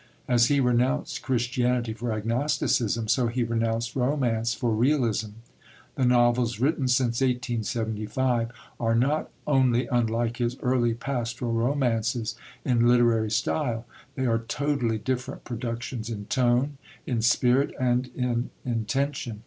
As he renounced Christianity for agnosticism, so he renounced romance for realism. The novels written since 1875 are not only unlike his early pastoral romances in literary style; they are totally different productions in tone, in spirit, and in intention.